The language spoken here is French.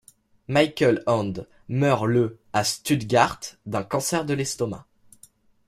Michael Ende meurt le à Stuttgart, d'un cancer de l'estomac.